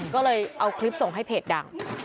ก็เลยเอาคลิปส่งให้เพจดัง